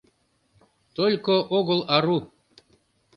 Только огыл ару.